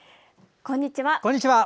こんにちは。